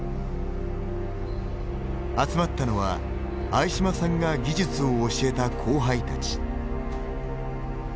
集まったのは相嶋さんが技術を教えた後輩たち。